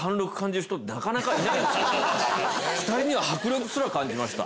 ２人には迫力すら感じました。